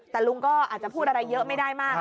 แต่ลุงก็อาจจะพูดอะไรเยอะไม่ได้มาก